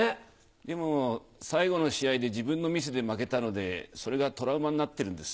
でも、最後の試合で自分のミスで負けたので、それがトラウマになってるんです。